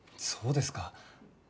そうですか。